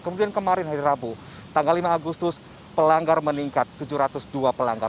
kemudian kemarin hari rabu tanggal lima agustus pelanggar meningkat tujuh ratus dua pelanggar